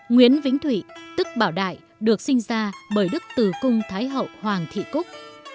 nguyễn vĩnh thụy tức bảo đại được sinh ra bởi đức tử cung thái hậu hoàng thị cúc